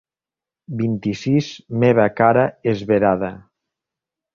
Vint-i-sis meva cara esverada.